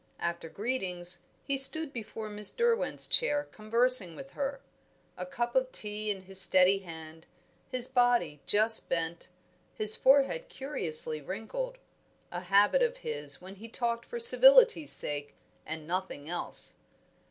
After greetings, he stood before Miss Derwent's chair conversing with her; a cup of tea in his steady hand, his body just bent, his forehead curiously wrinkled a habit of his when he talked for civility's sake and nothing else.